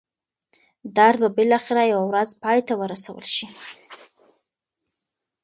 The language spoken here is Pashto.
درد به بالاخره یوه ورځ پای ته ورسول شي.